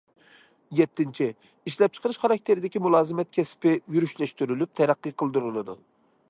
يەتتىنچى، ئىشلەپچىقىرىش خاراكتېرىدىكى مۇلازىمەت كەسپى يۈرۈشلەشتۈرۈلۈپ تەرەققىي قىلدۇرۇلىدۇ.